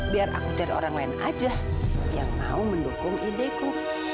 biar aku cari orang lain aja yang mau mendukung ideku